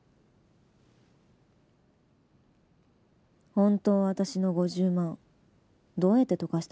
本当は私の５０万どうやって溶かしたの？